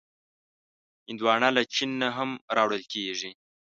هندوانه له چین نه هم راوړل کېږي.